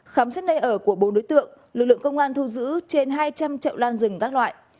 khám xét nơi ở của bốn đối tượng lực lượng công an thu giữ trên hai trăm linh trậu lan rừng các loại